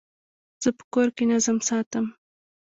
زه په کور کي نظم ساتم.